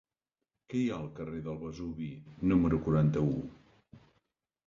Què hi ha al carrer del Vesuvi número quaranta-u?